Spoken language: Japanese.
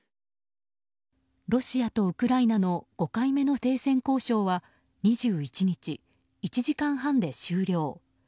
ロシアとウクライナの５回目の停戦交渉は２１日１時間半で終了。